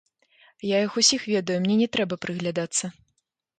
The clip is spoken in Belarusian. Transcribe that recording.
Я іх усіх ведаю, мне не трэба прыглядацца.